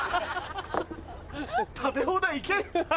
食べ放題行け！